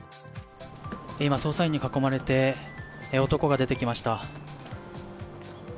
今、捜査員に囲まれて男が出てきました。